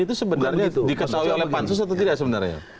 itu sebenarnya diketahui oleh pansus atau tidak sebenarnya